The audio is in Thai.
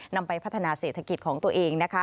นำไปพัฒนาเศรษฐกิจของตัวเองนะคะ